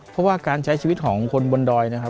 เพราะว่าการใช้ชีวิตของคนบนดอย